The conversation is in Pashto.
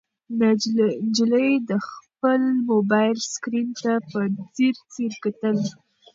نجلۍ د خپل موبایل سکرین ته په ځیر ځیر کتل.